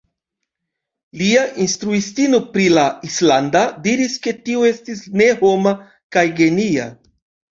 Lia instruistino pri la islanda diris ke tio estis "ne homa" kaj "genia".